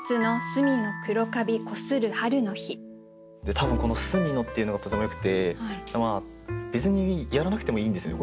多分この「隅の」っていうのがとてもよくて別にやらなくてもいいんですよね